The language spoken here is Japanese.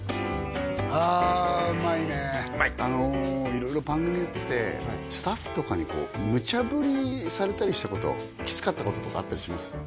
色々番組やっててスタッフとかにこうむちゃぶりされたりしたこときつかったこととかあったりします？